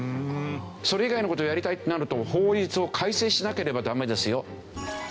それ以外の事をやりたいってなると法律を改正しなければダメですよっていう事になっちゃう。